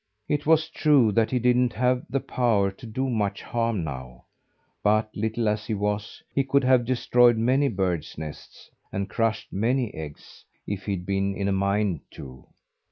It was true that he didn't have the power to do much harm now, but, little as he was, he could have destroyed many birds' nests, and crushed many eggs, if he'd been in a mind to.